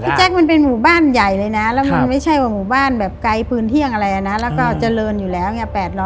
พี่แจ๊คมันเป็นหมู่บ้านใหญ่เลยนะแล้วมันไม่ใช่ผืนเที่ยงอะไรนะก็เจริญอยู่แล้ว๘๐๐บาท